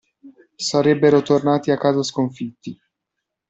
Sarebbero tornati a casa sconfitti.